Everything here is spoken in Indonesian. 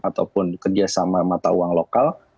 ataupun kerjasama mata uang lokal